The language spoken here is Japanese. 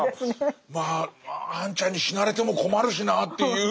まああんちゃんに死なれても困るしなっていうその感じ。